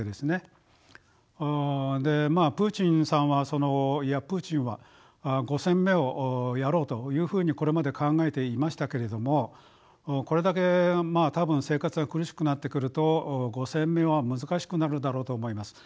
でまあプーチンさんはそのいやプーチンは５選目をやろうというふうにこれまで考えていましたけれどもこれだけ多分生活が苦しくなってくると５選目は難しくなるだろうと思います。